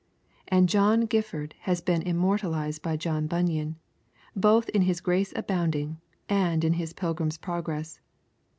And John Gifford has been immortalised by John Bunyan, both in his Grace Abounding and in his Pilgrim's Progress.